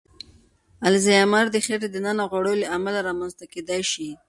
الزایمر د خېټې دننه غوړو له امله رامنځ ته کېدای شي.